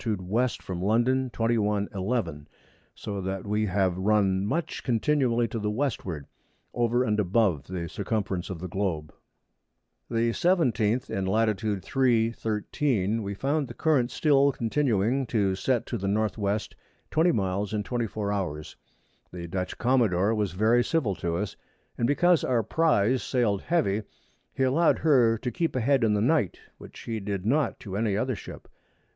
W. from London. 21. 11. So that we have run much continually to the Westward, over and above the Circumference of the Globe. The 17th in Lat. 3. 13. we found the Current still continuing to set to the N.W. 20 Miles in 24 Hours. The Dutch Commadore was very civil to us, and because our Prize sailed heavy, he allow'd her to keep a head in the Night, which he did not to any other Ship.